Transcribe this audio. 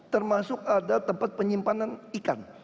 termasuk ada tempat penyimpanan ikan